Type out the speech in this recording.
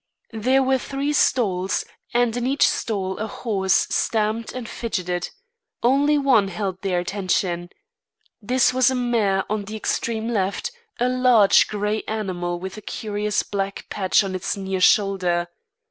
There were three stalls, and in each stall a horse stamped and fidgeted. Only one held their attention. This was a mare on the extreme left, a large grey animal with a curious black patch on its near shoulder.